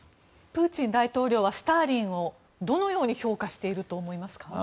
プーチン大統領はスターリンをどのように評価していると思いますか。